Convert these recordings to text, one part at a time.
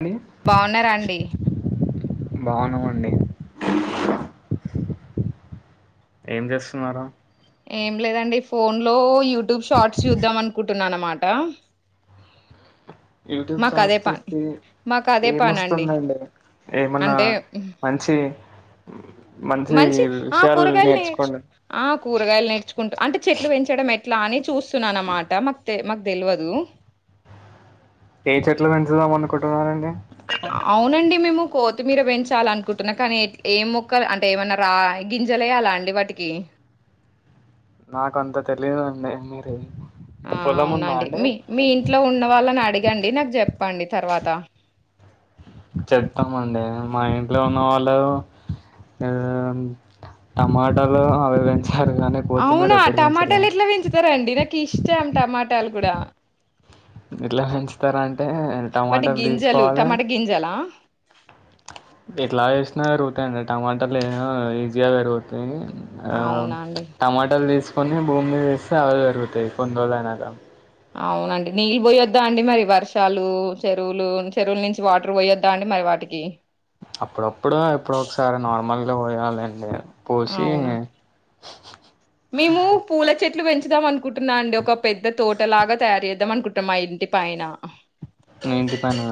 అండి బాగున్నారా అండి బాగున్నామండి ఏం జేస్తున్నరు ఏం లేదండి ఫోన్ లో యూట్యూబ్ షార్ట్స్ చూద్దాం అనుకుంటున్నాను అన్నమాట. యూటూబ్ సాంగ్స్ చూస్తే మాకు అదే పని అండి ఏమొస్తుందండీ ఎమన్నా అంటే మంచీ మంచి ఆ కూరగాయల్ని నేర్చ్ నేర్చుకోండి ఆ కూరగాయలు నేర్చుకుంటూ అంటే చె చెట్లు పెంచడం ఎట్లా అని చూస్తున్నాన్నమాట మాక్ తె మాకు దెలువదూ ఏ చెట్లు పెంచుదాం అనుకుం వాన్ అవునండీ మేము కోత్ మీరు పెంచాల అనుకుంటున్న కానీ ఏం మొక్కలు అంటే ఏమన్నా రా గింజలెయ్యలా అండి వాటికీ నాకంత తెలీదండీ మీరే ఆ అవునండి మీ మీ ఇంట్లో ఉన్న వాళ్ళని అడిగ్ గండీ నాకు జెప్పండి తర్వాతా చెప్తమండీ మా ఇంట్లో ఉన్నవాళ్ళు ఆ టమాటాలు అవివే అవునా టమాటాలు ఎట్ల పెంచుతరండీ నాకు ఇష్టం టమాటాలు ఇప్పుడా ఎట్ల పెంచుతరంటే వాటి టమాటాలు గింజలు తీసుకోవాలె టమాటా గింజలా ఎట్ల వేసినా రుగుతయండీ టమాటాలు ఏమో ఈజీగా పెరుగుతాయి ఆ అవునా అండి టమాటాలు దీసుకొని భూమి మీద వేస్తే అవే పెరుగుతయి కొన్ని రోజులయినాక అవునండి నీళ్ళు పోయొద్దా అండి మరి వర్షాలూ చెరువులూ చెరువుల నుంచి వాటర్ పోయొద్దా అండి మరి వాటికీ అప్పుడప్పుడు ఎప్పుడో ఒకసారి నార్మల్ పోయాలండీ పొషీ అవునా మేము పూల చె చెట్లు పెంచుదాం అనుకుంటున్నా అండి ఒక పెద్ద తోటలాగా తయారు చేద్దాం అనుకుంటున్నా మా ఇంటి పైనా మీ ఇంటి పైననా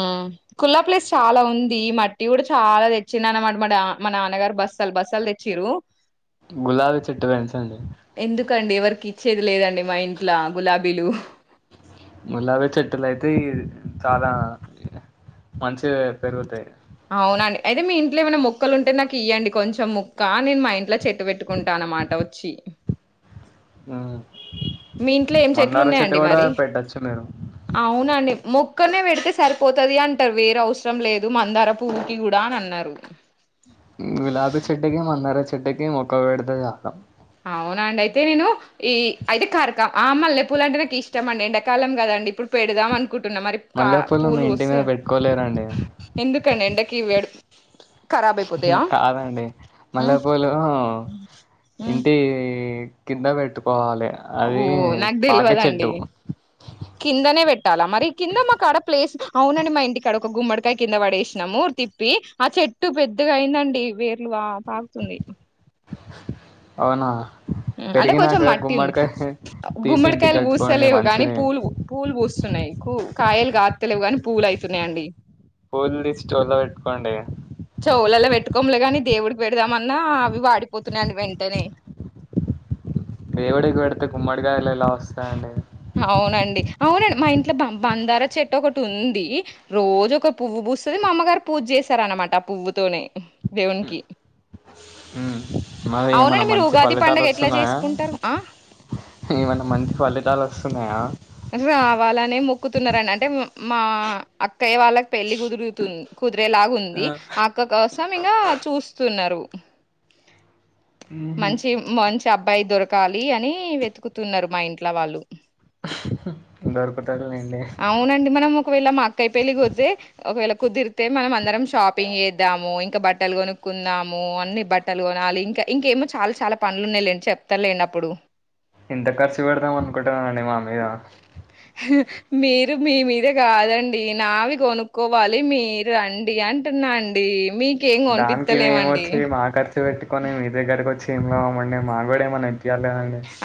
ఆ కుల్లా ప్లేస్ చాలా ఉందీ మట్టి కూడా చాలా తెచ్చిన అన్నమాట మా మా నాన్నగారు బస్తాలు బస్తాలు తెచ్చిర్రు గులాబీ చెట్టు పెంచండి కండీ ఎవరికి ఇచ్చేది లేదండీ మా ఇంట్ల గులాబీలు గులాబి చెట్టులు అయితే ఈ చాలా మంచిగా పెరుగుతాయి అవునండి అయితే మీ ఇంట్లో ఏమైనా ముక్కలు ఉంటే నాకు ఇవ్వండి కొంచెం ముక్కా నేను మా ఇంట్లో చెట్ ట్టు పెట్టుకుంటాన్నమాట వచ్చి ఆ మీ ఇంట్లో ఏం చెట్లు ఉన్నాయండి కూడా మరి పెట్టచ్చు మీరు అవునండి మొక్కనే పెడితే సరిపోతది అంటరు వేరు అవసరం లేదు మందార పువ్వుకి కూడ అనన్నారు గులాబి చెట్టుకి మందార చె చెట్టుకి మొక్క పెడితే చాలు అవునండి అయితే నేను ఈ అయితే కరక ఆ మల్లెపూల అంటే నాకు ఇష్టం అండి ఎండాకాలం కదండి ఇప్పుడు పెడదాం అన్ కుంటున్నా మరి కా మల్లెపూలు మీ పూలు ఇంటి మీద పూస్తయా పెట్టుకోలేరండి ఎందుకండి ఎండకిడు మ్మ్ కాదండి హ్మ్. మల్లె పూలు ఆ హ్మ్. ఇంటి కింద పెట్టుకోవాలి ఓ అది నాకు పాకే తెలవదండి చెట్టు కిందనే పెట్టాలా మరి కింద మాకాడ ప్లేస్ అవునండి మా ఇంటి కాడ ఒక గుమ్మడికాయ కింద పడేసినాము తిప్పి ఆ చెట్టు పెద్దగయిందండి వేర్లు వా పాకుతుంది అవునా అంటే కొంచెం పెరిగినాక మట్టింది గుమ్మడికాయ తీసి ఇంటికి గుమ్మడికాయలు కట్టుకోండి పూస్తలేవు కానీ మంచిది పూలు పూలు పూస్తున్నాయి పూ కాయలు కాత్ త లేవు కాని పూలు అయితున్నయండి పూలు తీసి చెవులో పెట్టుకోండి చవులలో పెట్టుకోములే కానీ దేవుడి పెడదమ న్నా అవి వాడిపోతు తున్నాండి వెంటనే దేవుడికి పెడితే గుమ్మడికాయలెల్ ఎలా వస్తాయండి అవునండ్ మా ఇంట్లో బం బందార చెట్టు ఒకటి ఉంది, రోజు ఒక పువ్వు పూస్తది, మా అమ్మగారు పూజ చేస్తరన్నమాట ఆ పువ్వుతోనే దేవునికి ఉమ్ మరి అవునండి ఏమన్నా మీరు మంచి ఉగాది ఫలితాలు పండుగ ఎట్లా వస్తున్నయా? చేసుకుంటారు ఆ ఏమైనా మంచి ఫలితాలు ఒస్తున్నయా? జమే ఆ వాళ్లనే మొక్కుతున్నారనంటె అంటే మా అక్కయ్య వాళ్ళక్ పెళ్ళి కుదురుతుం కుద్ ఎలాగు ఉంది ఆ అక్క కోసం ఇంగ చూస్తున్నర్ రు ఉహు, మంచి మంచ్ టె అబ్బాయి దొరకాలి అనీ వెతుకుతున్నరు మా ఇంట్ల వాళ్ళు. దొరుకుతారులేండి అవునండి మనం ఒకవేళ మా అక్కయ పెళ్లి కుద్దే ఒకవేళ కుదిరితే మనం అందరం షాపింగ్ చేద్దాము, ఇంక బట్టలు కొనుక్కున్దాము, అన్ని బట్టలు కొనాలి ఇంక ఇంకేమో చాల చాల పనులు ఉన్నాయిలేండి చెప్తలేండి అప్పుడు. ఎంత ఖర్చు పెడదాం అనుకుంటున్నానండి మా మీద మీరు మీ మీద కాదండి, నావి కొనుక్కోవాలి మీర్ రండి అంటున్నా అండి. మీక్ దానికి మేము వచ్చి, మా ఖర్చు పెట్టుకొని మీ దగ్గరకొచ్ ఏం లాభమండి? మాగుడా ఏమన్న త్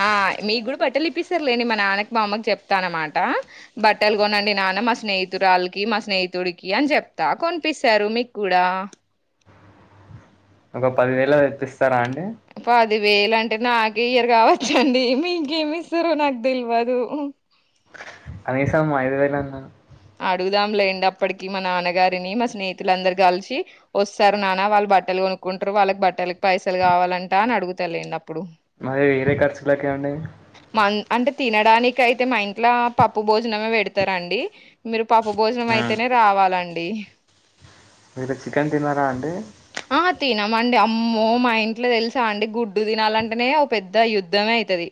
ఆ, మీ గ్గుడ బట్టలు ఇప్పిస్ స్తర్లెండి మా నాన్నకి మా అమ్మకి చెప్తానమాట బట్టలు గొనండి నాన్న మా స్నేహితురాల్కి మా స్నేహితుడికి అని చెప్తా, కొనిపిస్తారు మీగ్గుడా. ఒక పదివేళదిప్పిస్తరా అండ్ డి పది వేలు అంటే నాకే ఇయర్ గావచ్చండి మీకేమిస్తరో నాక్ తెల్వదు. కనీసమ్ ఐదు వేలన్నా? అడుగుదాం లేండప్పటికి మా నాన్నగారిని మా స్నేహితులు అందరు గల్షి ఒస్తారు నాన్న, వాళ్ళు బట్టలు కొనుక్కుంటరు వాళ్ళకి బట్టలకి పైసలు కావాలంట అని అడుగుతలేండప్పుడు. మరి వేరే కార్చులకండి? అన్ అంటే తినడానికయితే మా ఇంట్ల పప్పు భోజనమే పెడతరండి. మీరు పప్పు భోజనం అయితనే రావాలండ్ డి మీరు చికెన్ తినరా అండి? ఆ తినమండి అమ్మో మా ఇంట్ల తెల్సా అండి గుడ్డు తినాలంటేనే ఓ పెద్ద యుద్ధమే అయితది.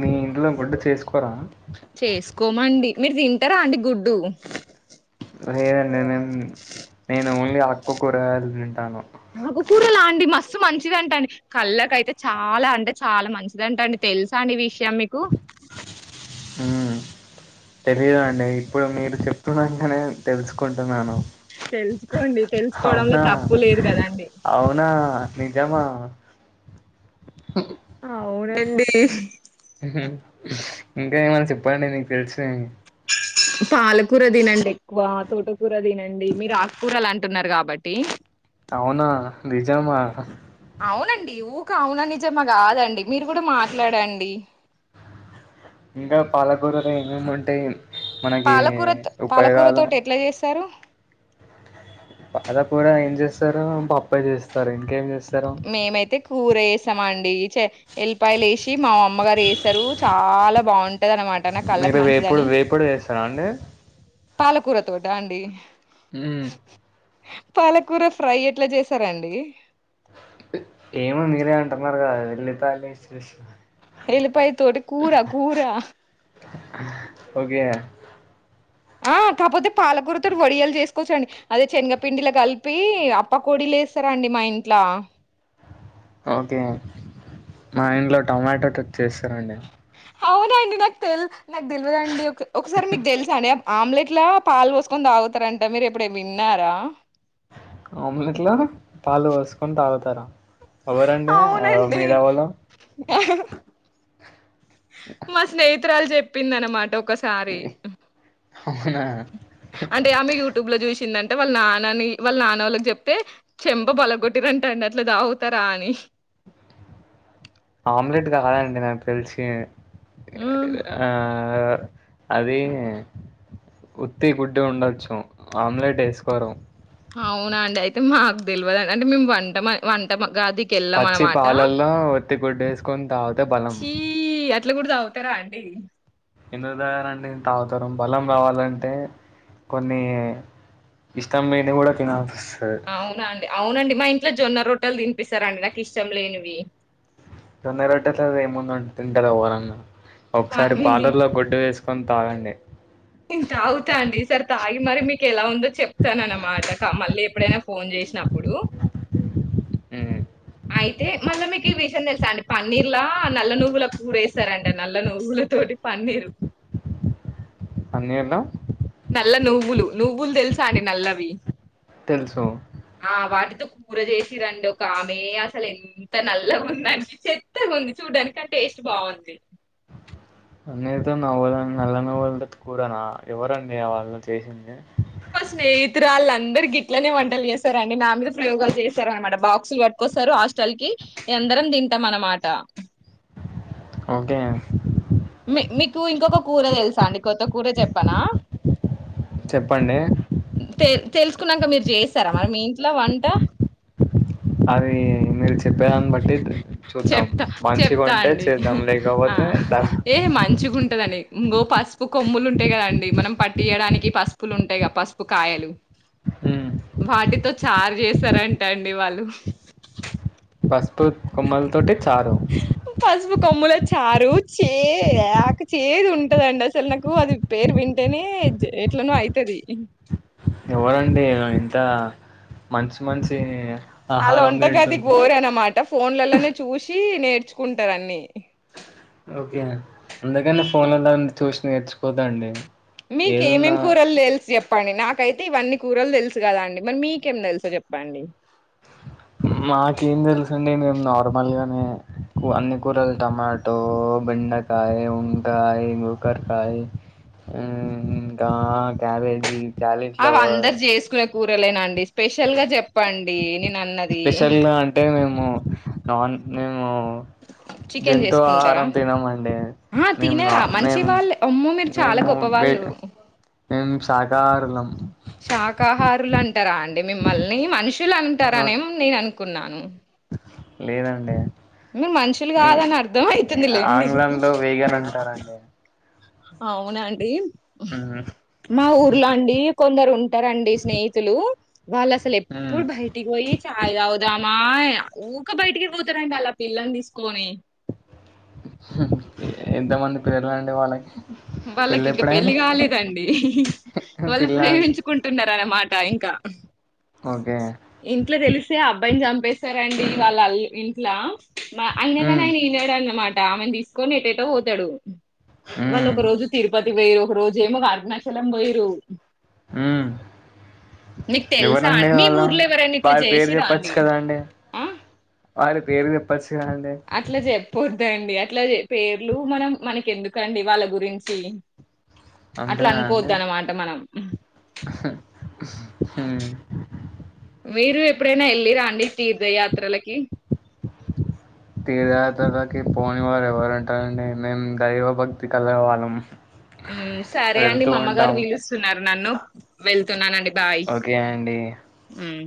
మీ ఇంట్లో గుడ్డ చేసుకోరా? చేసుకోమండి మీర్ తింటరా అండి గుడ్డు? వన్ ఇయర్ అయ్యిందండి మేం, నేను లీ ఆక్కు కూరగాయలు తింటాను. ఆకుకూరలా అండి మస్ స్ మంచిదంట అండి కళ్ళకైతే చాలా అంటే చాల మంచిదంటా అండి తెల్సా అండి ఈ విషయం మీకు? హ్మ్ తెలిదండి ఇప్పుడు మీరు చెప్తున్నంకనే తెలుసుకుంటున్నాను. తెలుసుకోండి తెలుసుకోవడంలో అవునా తప్పు లేదు కదండి. అవునా నిజమా అవునండి మ్మ్ హ్మ్ ఇంకా ఏమన్నా చెప్పండి నీకు తెలిసినవి పాలకు కూర తినండి ఎక్కువ తోటకూర తినండి మీరు ఆకూరలు అంటున్నారు కాబట్టి అవునా నిజమా అవున నిజమ కాదండి మీరు కూడా మాట్లాడండి ఇంకా పాలకూరలు ఏమేముంటాయి పాలకూర పాలకూర తోటి ఎట్ల చేస్తారు పాల కూర ఏం చేస్తారు పప్పే చేస్తారు ఇంకేం చేస్ మేమైతే కూర చేశామండి చే ఎల్లిపాయలు వేసి మా అమ్మగారు చేసారు చాలా బాగుంటది అనమా మీరు వేపుడు వేపుడు చేస్తారా అండి పాలకూర తోటా అండి మ్మ్ పాలకూర ఫ్రై ఎట్ల చేస్సరండి ఏమో మీరే అంటున్నారు కదా ఎళ్ళిపాయలు ఏసి చేసి ఎల్లిపాయ తోటి కూర కూర ఓకే ఆ కాపోతే పాలకూరతో వడియలు చేసుకోచ్చండి అదే శనగపిండిలా కలిపి అప్పకోడీలేస్తారండి మా ఇంట్లా ఓకే మా ఇంట్లో టమాటో తోటి చేస్తారండి అవునా అండి నాక్ తెల్స్ నాకు తెల్వదండి ఒకె ఒకసారి మీకు తెలుసా అండే అ ఆమ్లెట్ లా పాలు పోసుకొని తాగుతారంట మీరు ఎప్పుడే విన్నారా ఆమ్లెట్లా పాలు పోసుకొని తాగుతారా ఎవరండి ఆ అవునండి మీదావులు మా స్నే త్రాలు చెప్పిందనమాట ఒ ఒకసారి అవునా అంటే ఆమె యూట్యూబ్ లో చూసిందన్ అంటే వాళ్ళ నాన్నని వాళ్ళ నాన్న వాళ్ళకి చెప్తే చెంప పలగొట్టిరంట అండి అట్ల తాగుతరా అని ఆమ్లెట్ కాదండి నాకు తెల్సి హ్మ్. ఆ అది ఉత్తి గుడ్డే ఉండొచ్చు ఆమ్లెట్ ఏసుకోరు అవునా అండి అయితే మాకు తెల్వదన్ అంటే మేము వంట మ వంట మ పచ్చి పాలల్లో ఒత్తి గుడ్డేసుకొని తాగితే బలం ఇట్ల కూడ తాగుతరా అండి ఎందుకు తాగరండి తాగుతారు బలం రావాలంటే కొన్ని ఇష్టం లేనివి కూడా తినాల్సి అవునా అండి అవునండి మా ఇన్ ఇట్ల జొన్న రొట్టెలు తినిపిస్తారండి నాకిష్టం లేనివి జొన్నరొట్టె తోటేముందండి తింటారు ఎవ్వరన్న మా ఒకసారి ఆయనేంది పార్లర్ లో గుడ్డ్ వేస్ కొన్ తాగండి నేం తాగుతా అండి సరితాగి మరి మీకు ఎలా ఉందో చెప్తాన్ అన్నమాట మళ్ళీ ఎప్పుడైనా ఫోన్ చేసినప్పుడు. హ్మ్. అయితే మళ్ళా మీకు ఈ విషయం తెలుసా అండి పన్నీర్లా నల్ల నువ్వుల కూరేస్తారంట నల్ల నువ్వుల తోటి పన్నీరు. అన్నీలా నల్ల నువ్వులు నువ్వులు తెలుసా అండి నల్లవి తెలుసు ఉత్త కూర చేసిరండి ఒక ఆమె అసలు ఎంత నల్లగా ఉందని చెత్తగుంది చూడ్డానికి కాన్ టేస్ట్ బాగుంది. పన్నీర్తో నవ్వల నల్లనువ్వుల్తో కూరనా ఎవరండి ఆ వాళ్ళు చేసింది మా స్నేహితురాళ్ళు అందరు గిట్లనే వంటలు చేస్సారండి నా మీద ప్రయోగాలు చేస్సారనమాట బాక్సులు వట్టుకొస్తారు హాస్టల్ కి ఎందరం తింటాం అనమాట. ఓకే మీ మీకు ఇంకొక కూర తెలుసా అండి కొత్త కూర చెప్పనా చెప్పండి తెల్ తెల్స్ కున్నాంక మీరు జేస్సార మరి మీ ఇంట్లో వంట అరే మీరు చెప్పేదాన్ని బట్టి చూద్దాం చెప్తా చెప్తా మంచిగుంటే అండి చేద్దాం, ఆ లేకపోతే దా ఏ మంచిగా ఉంటదండి ఇంగో పసుపు కొమ్ములు ఉంటాయి కదండి మనం పట్టియడానికి పసుపులు ఉంటాయిగ పసుపు కాయలు మ్మ్. వాటి తో చార్ జేస్సరంటండి వాళ్ళు పసుప్ కొమ్మలు తోటి పసుపు కొమ్మలే చారు చే యాక్ చేదు ఉంటదండి అసలు నాకు అది పేరు వింటేనే ఎజ్ ఎట్లనో అయితది. ఎవరండి ఇంత మంచి మంచి ఆళ్ల ఆహారం వంటగది తింటుంది గోరుఅనమాట ఫోన్లలలోనే చూసి ఇ నేర్చుకుంటది అన్ని ఓకే అందుకనే ఫోన్లలో అందు చూసి నేర్చుకోదు అండి మీకేమేమి కూరలు తెలుసు చెప్పండి నాకైతే ఇవన్నీ కూరలు తెల్స్ త్ కదాఅండి మరి మీకేం తెలుసు చెప్పండి మాకేం తెలుసు అండి మేము నార్మల్గానే కూ అన్ని కూరలు టమాటో, బెండకాయ్, వంకాయ్, గోకర్ కాయ్ మ్మ్ ఇంకా క్యాబేజీ. అవ్ క్యాలీఫ్లవర్ అందరు జేసుకునే కూరలేనండి స్పెషల్ గా జెప్పండి నేన్ స్పెషల్గా అంటే మేము [unintelligible] నాన్ మేము చికెన్ జంతు చేసుకుంటారా ఆహారం తినమండి ఆ మేం ఆ తినరా మంచి మేం వాళ్ళే అమ్మో మీరు చాలా మేము గొప్ప బయట వాళ్ళు మేం శాకాహారులం. శాకాహారులు అం టారా అండి మిమ్మల్ని మనుషులు ఆహా అంటారనేం నేను అను కున్నాను లేదండి మీ మనుషులు కాదని అర్థం అయితుంది లేండి ఆంగ్లంలో వేగన్ అంటారండి అవునా అండి మ్మ్ మా ఊర్లో అండి కొందరు ఉంటారండి స్నేహితులు వాళ్ళసలు మ్మ్ ఎప్పుడు బయటికి పోయి చాయ్ తాగుదామా ఊక బయటికి పోతరండి ఆళ్ల పిల్లని తీసుకొని ఎంతమంది పిల్లలండి వాళ్ళకి వాళ్ళకింక పెళ్ళి కాలేదండి వాళ్ళు పిల్ల అంటే ప్రేమించుకుంటున్నారు అనమా ట ఇంకా ఓకే ఇంట్లో తెలిసే అబ్బాయిని చం ప్పేసారండి వాళ్ల అల్ ఇంట్లా మ అందుకనే ఉమ్ [unintelligible] అనమా డామెన్ తీసుకొని ఎటేటో పోతాడు హ్మ్ తిరుపతికి పోయి ఒక రోజ ఏమో ఒక అరుణాచలం పోయిర్రు మ్మ్ తెలుసా ఎవరండి అండి? మీ వాళ్ళ ఊర్లో ఎవరైనా ఇట్లా వారి పేరు చేసిరా చెప్పచ్చు కదా అండి ఆ వారి పేరు చెప్ చు కదండి దండి అట్ల అదేండి అట్లా పేర్లు మనం మనకి ఎందుకండి వాళ్ళ గురించి అట్లా అనుకోవద్దనమాట మనం హ్మ్ మీరు ఎప్పుడైనా వెళ్ళిరా అండి తీర్థ యాత్ త్రలకి యాత్రలకి పోని వారు ఎవరు ఉంటారండి మేము దైవ భక్తి కలవాళ్ళం మ్మ్ సరే అండి మా అమ్మగారు విలుస్తున్నారు నన్ను వెళ్తున్నానండి బాయ్ ఓకే అండి ఉమ్.